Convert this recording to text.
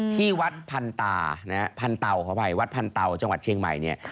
ที่วัดพันตานะฮะพันเตาขออภัยวัดพันเตาจังหวัดเชียงใหม่เนี่ย